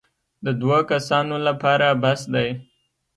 د دوو کسانو لپاره بس دی.